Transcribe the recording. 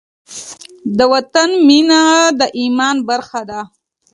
د وطن مینه د ایمان برخه ده.